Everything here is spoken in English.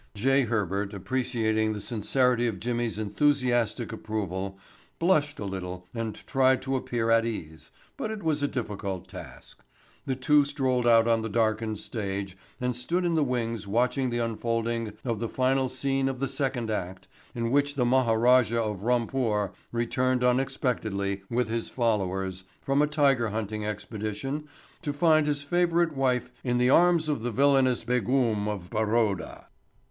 J. Herbert, appreciating the sincerity of Jimmy's enthusiastic approval, blushed a little and tried to appear at ease, but it was a difficult task. The two strolled out on the darkened stage and stood in the wings watching the unfolding of the final scene of the second act in which the Maharajah of Rumpore returned unexpectedly, with his followers, from a tiger hunting expedition to find his favorite wife in the arms of the villainous Begum of Baroda.